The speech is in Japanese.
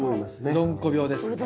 うどんこ病ですね。